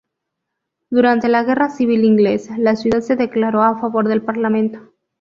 Durante la guerra civil inglesa, la ciudad se declaró a favor del parlamento.